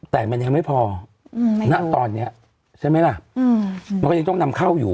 แต่มันยังไม่พอณตอนนี้ใช่ไหมล่ะมันก็ยังต้องนำเข้าอยู่